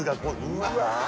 うわ！